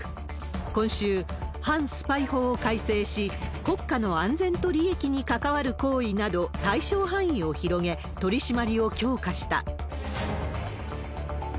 今週、反スパイ法を改正し、国家の安全と利益に関わる行為など、対象範囲を広げ、取締りを強化した。